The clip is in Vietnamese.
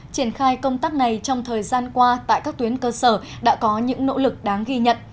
triển khai công tác này trong thời gian qua tại các tuyến cơ sở đã có những nỗ lực đáng ghi nhận